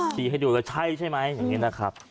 พี่ให้ดูว่าใช่ใช่ไหมอย่างนี้นะครับ